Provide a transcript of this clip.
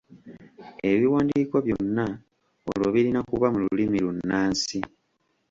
Ebiwandiiko byonna olwo birina kuba mu lulimi lunnansi.